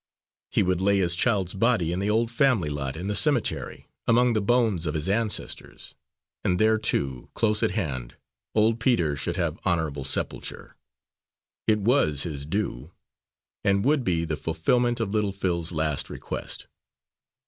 He would lay his child's body in the old family lot in the cemetery, among the bones of his ancestors, and there too, close at hand, old Peter should have honourable sepulture. It was his due, and would be the fulfilment of little Phil's last request.